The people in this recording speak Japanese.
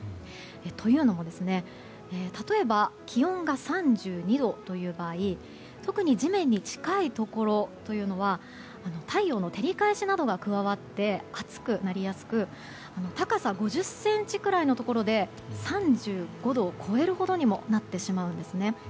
というのも、例えば気温が３２度という場合特に、地面に近いところは太陽の照り返しなどが加わって暑くなりやすく高さ５０ｃｍくらいのところで３５度を超えるほどにもなってしまうんです。